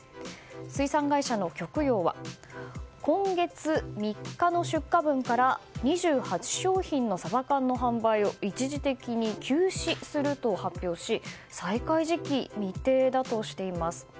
水産会社の極洋は今月３日の出荷分から２８商品のサバ缶の販売を一時的に休止すると発表し再開時期、未定だとしています。